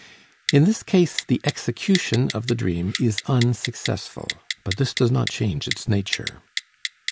In this case the execution of the dream is unsuccessful, but this does not change its nature.